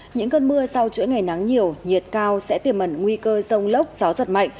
những cơn mưa sau chuỗi ngày nắng nhiều nhiệt cao sẽ tiềm mẩn nguy cơ rông lốc gió giật mạnh